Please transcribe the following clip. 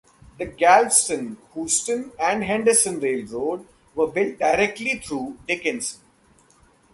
The Galveston, Houston, and Henderson Railroad was built directly through Dickinson.